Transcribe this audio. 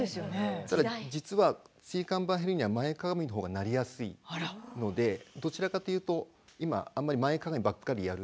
ただ実は椎間板ヘルニアは前かがみのほうがなりやすいのでどちらかというと今あんまり前かがみばっかりやるよりは。